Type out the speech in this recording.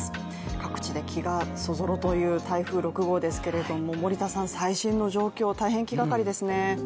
各地で気がそぞろという台風６号ですが森田さん、最新の状況、大変気がかりですね。